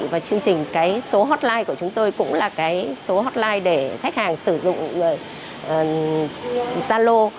và chương trình cái số hotline của chúng tôi cũng là cái số hotline để khách hàng sử dụng zalo